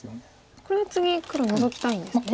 これ次黒ノゾきたいんですね。